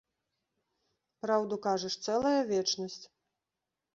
Праўду кажаш, цэлая вечнасць.